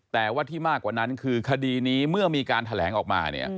แต่ว่าที่มากกว่านั้นคือคดีนี้เมื่อมีการแถลงออกมา